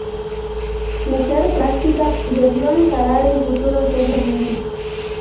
Mujer práctica, debió encarar el futuro seriamente.